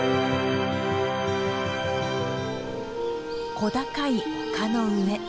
小高い丘の上。